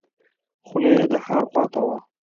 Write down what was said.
خوله یې د ښار خواته وه.